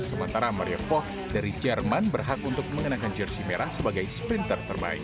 sementara mario voh dari jerman berhak untuk mengenakan jersey merah sebagai sprinter terbaik